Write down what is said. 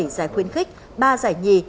bảy giải khuyến khích ba giải nhì